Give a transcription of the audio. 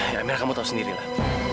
ya amira kamu tau sendiri lah